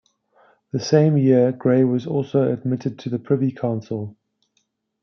The same year Grey was also admitted to the Privy Council.